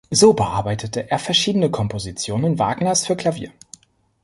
So bearbeitete er verschiedene Kompositionen Wagners für Klavier.